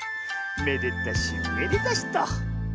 めでたしめでたしと。